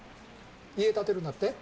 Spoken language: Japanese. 家建てるんだって？